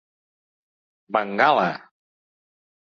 Bengala.